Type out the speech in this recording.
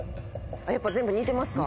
やっぱ全部似てますか？